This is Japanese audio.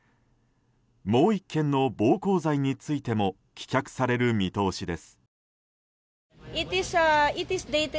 もう１件の暴行罪についても棄却される見通しです。